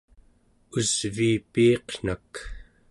usviipiiqnak